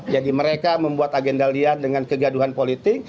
jadi mereka membuat agenda liar dengan kegaduhan politik